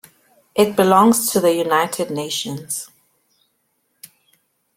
It belongs to the United Nations.